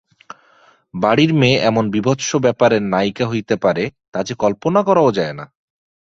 বাড়ির মেয়ে এমন বীভৎস ব্যাপারের নায়িকা হইতে পারে তা যে কল্পনা করাও যায় না।